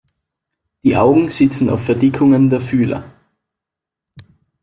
Die Augen sitzen auf Verdickungen der Fühler.